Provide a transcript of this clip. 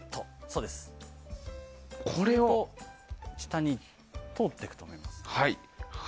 そうすると下に通っていくと思います。